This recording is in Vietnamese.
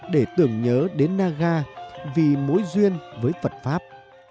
để tưởng nhớ đến naga vì mối duyên với phật pháp